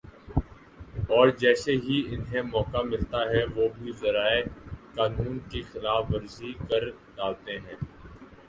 اور جیسے ہی انھیں موقع ملتا ہے وہ بے دریغ قانون کی خلاف ورزی کر ڈالتے ہیں